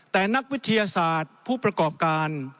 แต่นักวิทยาศาสตร์ผู้ประกอบการ